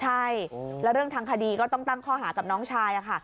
ใช่แล้วเรื่องทางคดีก็ต้องตั้งข้อหากับน้องชายค่ะ